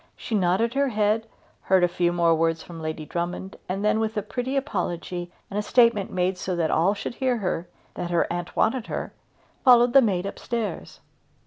She nodded her head, heard a few more words from Lady Drummond, and then, with a pretty apology and a statement made so that all should hear her, that her aunt wanted her, followed the maid up stairs.